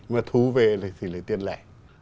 mà thu về thì tiền lẻ